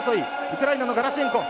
ウクライナのガラシェンコ。